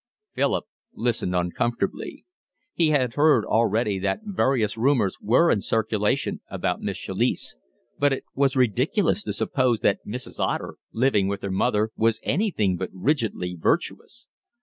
Philip listened uncomfortably. He had heard already that various rumours were in circulation about Miss Chalice; but it was ridiculous to suppose that Mrs. Otter, living with her mother, was anything but rigidly virtuous.